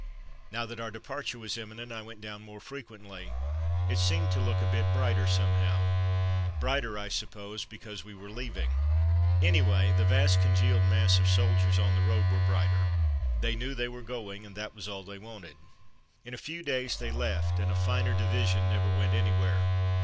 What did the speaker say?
Now that our departure was imminent, I went down more frequently. It seemed to look a bit brighter somehow — brighter, I suppose, because we were leaving. Any way, the vast congealed masses of soldiers on the road were brighter. They knew they were going, and that was all they wanted. In a few days they left, and a finer divi sion never went anywhere.